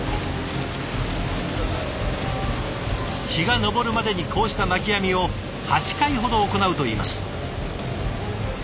日が昇るまでにこうした巻き網を８回ほど行うといいます。